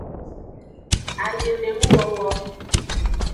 Ayemenuwowo.